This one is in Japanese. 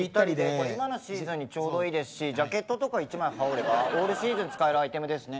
これ今のシーズンにちょうどいいですしジャケットとか一枚羽織ればオールシーズン使えるアイテムですね。